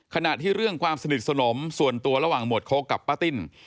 ขณะที่เรื่องความสนิทสนมส่วนตัวระหว่างหวดโค้กกับป้าติ้น